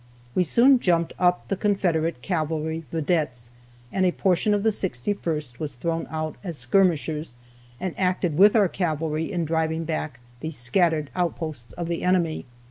We soon jumped up the Confederate cavalry vedettes, and a portion of the 61st was thrown out as skirmishers, and acted with our cavalry in driving back these scattered outposts of the enemy.